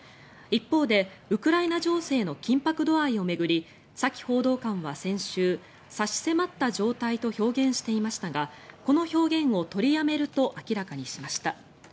一方でウクライナ情勢の緊迫度合いを巡りサキ報道官は先週差し迫った状態と表現していましたがこの表現を取りやめると明らかにしました。